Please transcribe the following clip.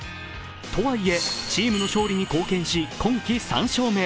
とはいえチームの勝利に貢献し今季３勝目。